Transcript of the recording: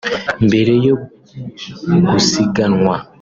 Mbere yo gusiganwa